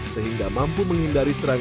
sehingga mampu menghindari serangan